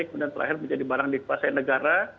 kemudian terakhir menjadi barang dikuasai negara